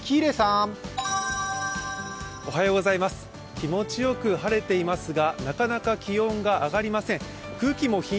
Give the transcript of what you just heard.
気持ちよく晴れていますがなかなか気温が上がりません。